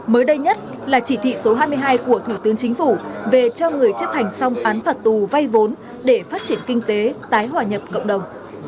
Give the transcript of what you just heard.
mới đây nhất là chỉ thị số hai mươi hai của thủ tướng chính phủ về cho người chấp hành xong án phạt tù vay vốn để phát triển kinh tế tái hòa nhập cộng đồng